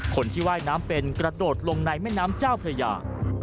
คนที่ว่ายน้ำเป็นกระโดดลงในแม่น้ำเจ้าพระยา